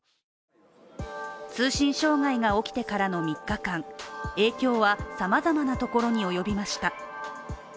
通信障害が起きてからの３日間、影響はさまざまなところに及びました。